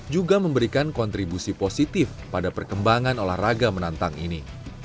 juga memberikan kontribusi positif pada perkembangan olahraga menantang ini